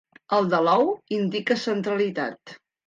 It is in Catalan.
El de l'ou indica centralitat.